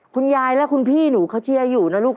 คุณยายและคุณพี่หนูเขาเชียร์อยู่นะลูก